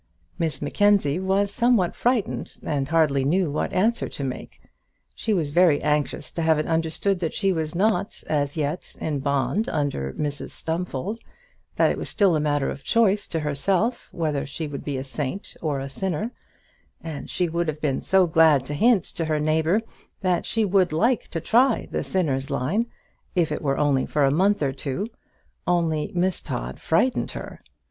Miss Mackenzie was somewhat frightened, and hardly knew what answer to make. She was very anxious to have it understood that she was not, as yet, in bond under Mrs Stumfold that it was still a matter of choice to herself whether she would be a saint or a sinner; and she would have been so glad to hint to her neighbour that she would like to try the sinner's line, if it were only for a month or two; only Miss Todd frightened her!